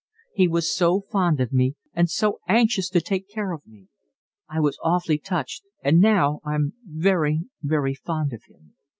He was so fond of me and so anxious to take care of me. I was awfully touched. And now I'm very, very fond of him."